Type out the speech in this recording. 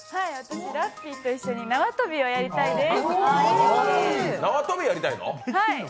ラッピーと一緒に縄跳びをやりたいです。